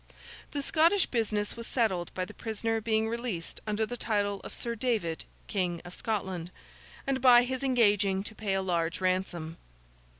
The Scottish business was settled by the prisoner being released under the title of Sir David, King of Scotland, and by his engaging to pay a large ransom.